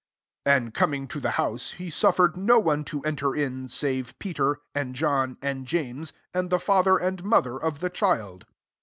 51 And coming to the bouse, he suffered no one to en* ter in, save Peter, and John, and James, and the &ther and mo ther of the child.